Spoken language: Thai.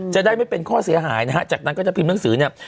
จะได้ไม่เป็นข้อเสียหายนะฮะจากนั้นก็จะพิมพ์หนังสือเนี่ย